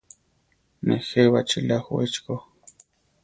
Nejé baʼchíla ju echi ko.